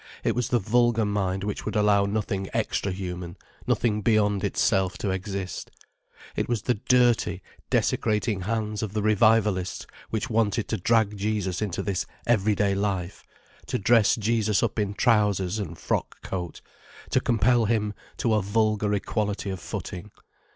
It was the vulgar mind which would allow nothing extra human, nothing beyond itself to exist. It was the dirty, desecrating hands of the revivalists which wanted to drag Jesus into this everyday life, to dress Jesus up in trousers and frock coat, to compel Him to a vulgar equality of footing.